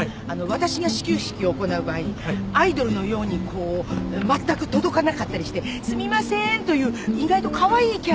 私が始球式を行う場合アイドルのようにこうまったく届かなかったりして「すみませーん」という意外とカワイイキャラがいいのか。